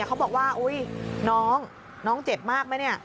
เขาบอกว่าน้องเจ็บมากไหมเนี่ย